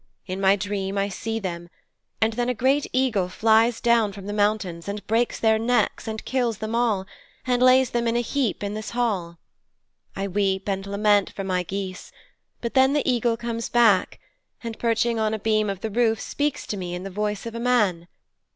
In my dream I see them, and then a great eagle flies down from the mountains, and breaks their necks and kills them all, and lays them in a heap in this hall. I weep and lament for my geese, but then the eagle comes back, and perching on a beam of the roof speaks to me in the voice of a man.